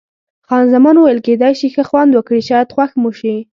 خان زمان وویل: کېدای شي ښه خوند وکړي، شاید خوښ مو شي.